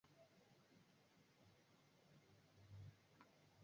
Virusi vinavyosababisha ugonjwa huu hutoka na kinyesi au kutokea katika mate na machozi